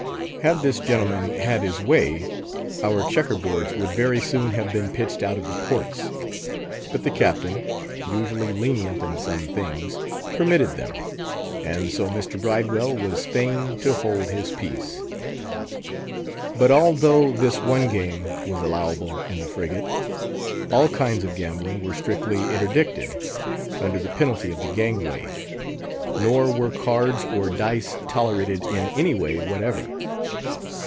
Had this gentleman had his way, our checker boards would very soon have been pitched out of the ports. But the Captain—usually lenient in some things—permitted them, and so Mr. Bridewell was fain to hold his peace. But, although this one game was allowable in the frigate, all kinds of gambling were strictly interdicted, under the penalty of the gangway; nor were cards or dice tolerated in any way whatever.